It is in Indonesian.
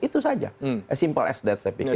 itu saja as simple as that saya pikir